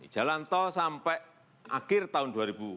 jalan tol sampai akhir tahun dua ribu delapan belas